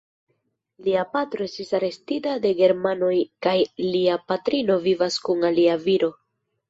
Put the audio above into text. Lia patro estis arestita de Germanoj kaj lia patrino vivas kun alia viro.